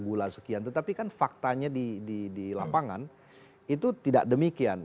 gula sekian tetapi kan faktanya di lapangan itu tidak demikian